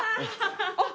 あっ！